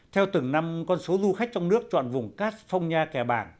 theo từng năm con số du khách trong nước trọn vùng cát phong nha kè bảng